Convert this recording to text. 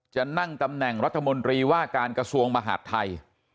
จะนั่งตำแหน่งรัฐมนตรีว่าการกระทรวงมหาดไทย